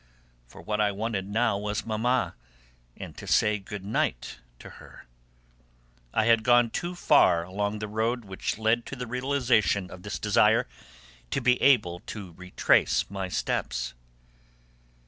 For what I wanted now was Mamma, and to say good night to her. I had gone too far along the road which led to the realisation of this desire to be able to retrace my steps.